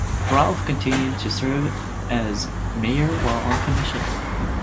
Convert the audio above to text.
Ralph continued to served as mayor while on the commission.